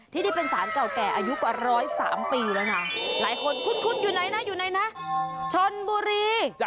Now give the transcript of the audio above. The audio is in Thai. ที่นี่เป็นสารเก่าแก่อายุกว่า๑๐๓ปีแล้วนะหลายคนคุ้นอยู่ไหนนะอยู่ไหนนะชนบุรี